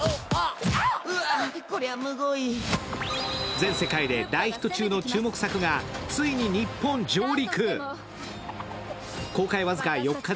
全世界で大ヒット中の注目作がついに日本上陸。